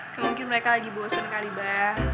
kemungkinan mereka lagi bosen kali mbak